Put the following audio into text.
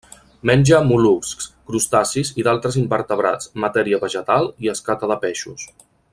Menja mol·luscs, crustacis i d'altres invertebrats, matèria vegetal i escates de peixos.